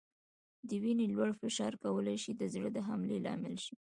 د وینې لوړ فشار کولای شي د زړه د حملې لامل شي.